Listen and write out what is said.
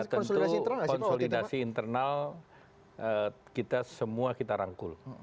ya tentu konsolidasi internal kita semua kita rangkul